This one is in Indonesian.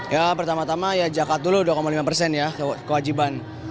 ya pertama tama ya zakat dulu dua lima persen ya kewajiban